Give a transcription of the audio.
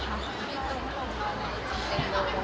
มีตรงของเราจริงหรือเปล่า